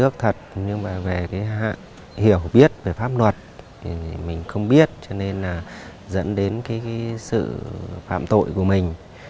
cái sự phạm tội của mình